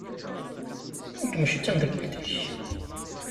Nekk mačči d tamdakelt-ik.